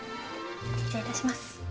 失礼いたします。